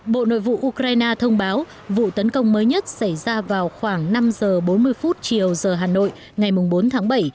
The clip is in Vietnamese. bộ nội vụ ukraine thông báo vụ tấn công mới nhất xảy ra vào khoảng năm giờ bốn mươi chiều giờ hà nội ngày bốn tháng bảy